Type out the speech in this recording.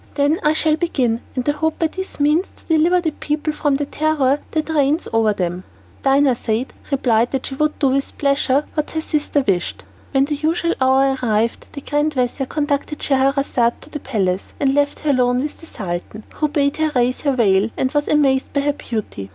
Then I shall begin, and I hope by this means to deliver the people from the terror that reigns over them." Dinarzade replied that she would do with pleasure what her sister wished. When the usual hour arrived the grand vizir conducted Scheherazade to the palace, and left her alone with the Sultan, who bade her raise her veil and was amazed at her beauty.